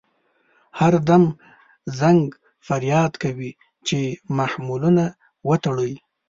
هر دم زنګ فریاد کوي چې محملونه وتړئ.